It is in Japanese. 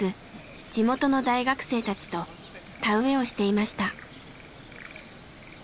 地元の大学生たちと田植えをしていました。